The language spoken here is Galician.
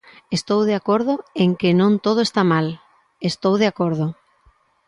Estou de acordo en que non todo está mal, estou de acordo.